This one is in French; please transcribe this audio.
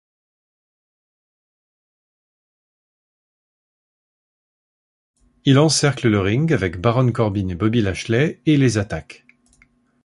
Il encercle le ring avec Baron Corbin et Bobby Lashley et les attaquent.